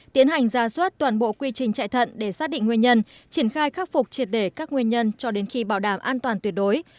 tiến hành ra suất toàn bộ quy trình chạy thận để xác định nguyên nhân triển khai khắc phục triệt để các nguyên nhân cho đến khi bảo đảm an toàn tuyệt đối